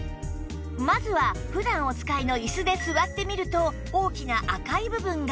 まずは普段お使いの椅子で座ってみると大きな赤い部分が